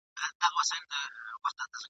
لټ د دوبي سیوری غواړي د ژمي پیتاوی !.